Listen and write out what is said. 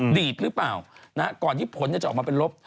หรือฝ่านหรือเปล่าก่อนที่ผลจะออกมาเป็นลบ